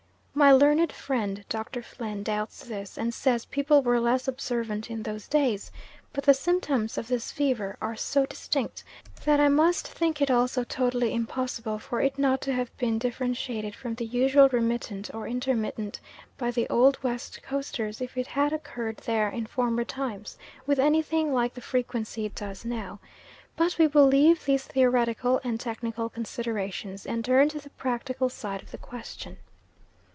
My learned friend, Dr. Plehn, doubts this, and says people were less observant in those days, but the symptoms of this fever are so distinct, that I must think it also totally impossible for it not to have been differentiated from the usual remittent or intermittent by the old West Coasters if it had occurred there in former times with anything like the frequency it does now; but we will leave these theoretical and technical considerations and turn to the practical side of the question.